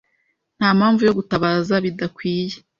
Ntampamvu yo gutabaza bidakwiye.